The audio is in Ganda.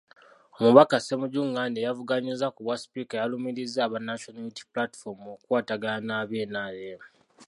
Omubaka Ssemujju Nganda eyavuganyizza ku bwasipiika yalumirizza aba National Unity Platform okukwatagana n'aba NRM.